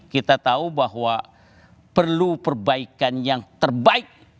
kita tahu bahwa perlu perbaikan yang terbaik